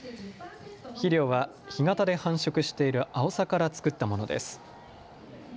肥料は干潟で繁殖しているアオサから作ったものです。